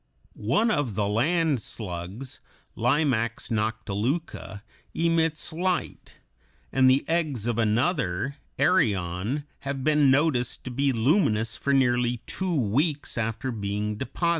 One of the land slugs, Limax noctiluca, emits light; and the eggs of another, Arion, have been noticed to be luminous for nearly two weeks after being deposited.